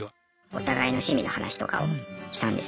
お互いの趣味の話とかをしたんですけど。